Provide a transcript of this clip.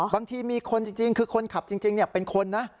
มีคนจริงคือคนขับจริงเป็นคนนะ